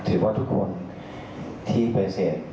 ถือว่าทุกคนที่ไปเศษ